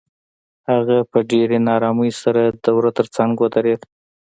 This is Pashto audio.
هغه په ډېرې آرامۍ سره د وره تر څنګ ودرېده.